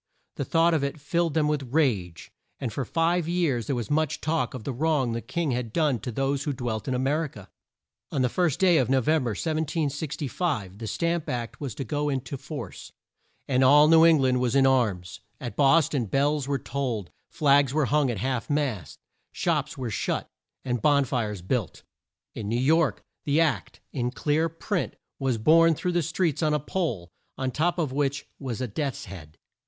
The thought of it filled them with rage; and for five years there was much talk of the wrong the king had done to those who dwelt in A mer i ca. On the first day of No vem ber, 1765, the Stamp Act was to go in to force, and all New Eng land was in arms. At Bos ton bells were tolled; flags were hung at half mast; shops were shut, and bon fires built. In New York, the Act in clear print was borne through the streets on a pole, on top of which was a death's head.